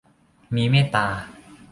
มีเมตตา